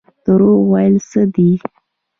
دروغ ویل څه دي؟